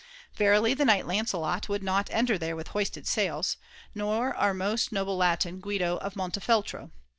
Verily the knight Lancelot would not enter there with hoisted sails ; nor our most noble Latin, Guido of Montefeltro.